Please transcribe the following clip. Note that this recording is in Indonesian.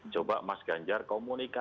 coba mas ganjar komunikasi